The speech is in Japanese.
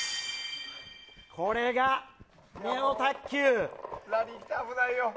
これがネオ卓球。